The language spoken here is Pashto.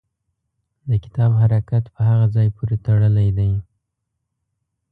د کتاب حرکت په هغه ځای پورې تړلی دی.